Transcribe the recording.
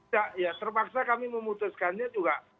terpaksa kami memutuskannya juga